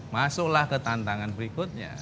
masuklah ke tantangan berikutnya